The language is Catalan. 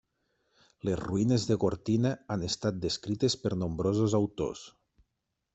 Les ruïnes de Gortina han estat descrites per nombrosos autors.